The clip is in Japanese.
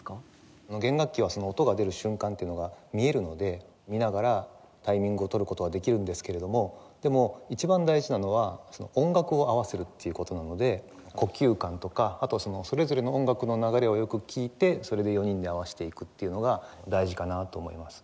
弦楽器は音が出る瞬間というのが見えるので見ながらタイミングをとる事はできるんですけれどもでも一番大事なのは音楽を合わせるという事なので呼吸感とかあとそれぞれの音楽の流れをよく聴いてそれで４人で合わせていくというのが大事かなと思います。